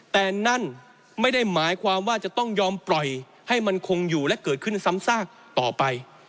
แต่นั่นไม่ได้หมายความว่าจะต้องยอมปล่อยให้มันคงอยู่และเกิดขึ้นซ้ำซากต่อไป